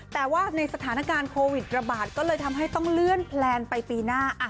แต่ว่าในสถานการณ์โควิดระบาดก็เลยทำให้ต้องเลื่อนแพลนไปปีหน้า